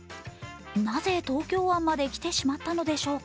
なぜ東京湾まで来てしまったのでしょうか。